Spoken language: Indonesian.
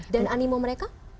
dan animo mereka